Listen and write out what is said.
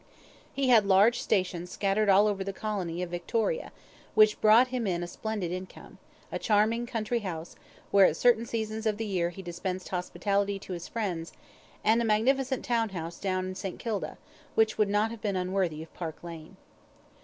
He had large stations scattered all over the Colony of Victoria, which brought him in a splendid income; a charming country house, where at certain seasons of the year he dispensed hospitality to his friends; and a magnificent town house down in St. Kilda, which would have been not unworthy of Park Lane.